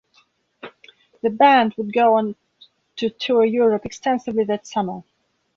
The band would go on to tour Europe extensively that summer.